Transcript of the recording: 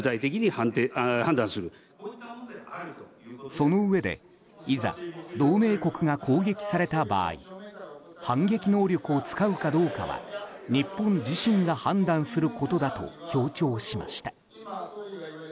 そのうえでいざ、同盟国が攻撃された場合反撃能力を使うかどうかは日本自身が判断することだと強調しました。